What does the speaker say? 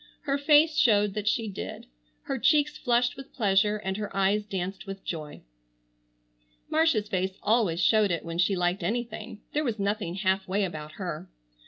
Her face showed that she did. Her cheeks flushed with pleasure, and her eyes danced with joy. Marcia's face always showed it when she liked anything. There was nothing half way about her.